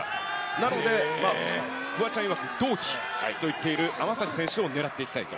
なので、フワちゃんいわく同期と言っている天咲選手を狙っていきたいと？